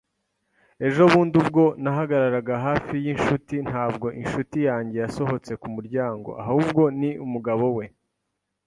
Ejo bundi, ubwo nahagararaga hafi yinshuti, ntabwo inshuti yanjye yasohotse kumuryango, ahubwo ni umugabo we.